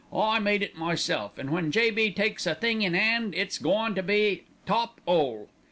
I made it myself, and when J.B. takes a thing in 'and, it's goin' to be top 'ole.